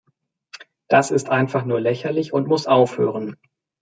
Das ist einfach nur lächerlich und muss aufhören.